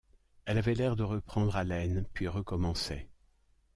Elle avait l’air de reprendre haleine, puis recommençait.